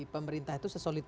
pemerintah itu sesolid